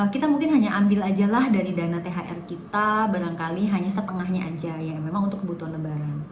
kita mungkin hanya ambil aja lah dari dana thr kita barangkali hanya setengahnya aja ya memang untuk kebutuhan lebaran